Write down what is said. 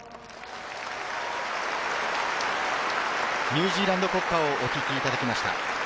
ニュージーランド国歌をお聴きいただきました。